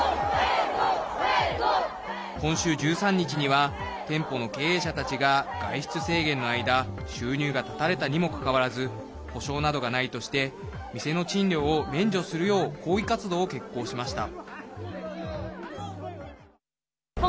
今週１３日には店舗の経営者たちが外出制限の間収入が断たれたにもかかわらず補償などがないとして店の賃料を免除するよう抗議活動を決行しました。